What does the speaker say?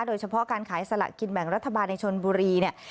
โดยเฉพาะการขายสละกินแบ่งรัฐบาลในชนบุรีเนี่ย